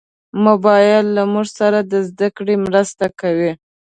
موبایل له موږ سره د زدهکړې مرسته کوي.